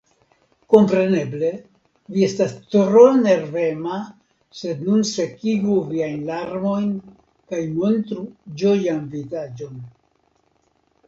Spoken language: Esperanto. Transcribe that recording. Kompreneble; vi estas tro nervema, sed nun sekigu viajn larmojn kaj montru ĝojan vizaĝon.